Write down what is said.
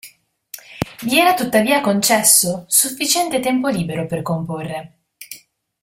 Gli era tuttavia concesso sufficiente tempo libero per comporre.